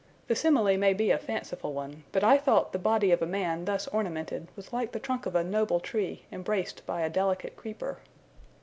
The simile may be a fanciful one, but I thought the body of a man thus ornamented was like the trunk of a noble tree embraced by a delicate creeper.